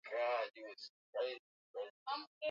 unaweza kupika matembele kwa kukoroga yacganganyike vizuri